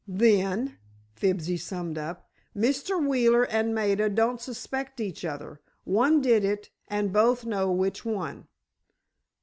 "Then," Fibsy summed up, "Mr. Wheeler and Maida don't suspect each other; one did it, and both know which one."